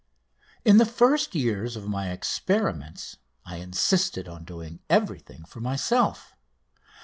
In the first years of my experiments I insisted on doing everything for myself.